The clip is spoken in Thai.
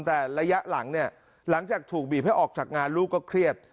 แต่ระยะหลังเนี่ยหลังจากถูกบีบให้ออกจากงานลูกก็เครียด